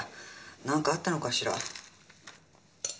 なんかあったのかしら？